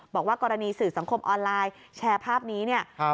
บอกว่ากรณีสื่อสังคมออนไลน์แชร์ภาพนี้เนี่ย